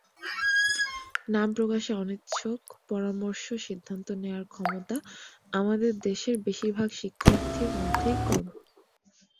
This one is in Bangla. নাম প্রকাশে অনিচ্ছুকপরামর্শসিদ্ধান্ত নেওয়ার ক্ষমতা আমাদের দেশের বেশির ভাগ শিক্ষার্থীর মধ্যেই কম।